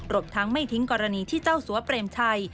ทั้งไม่ทิ้งกรณีที่เจ้าสัวเปรมชัย